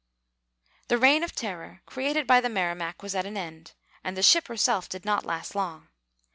The reign of terror created by the Merrimac was at an end, and the ship herself did not last long.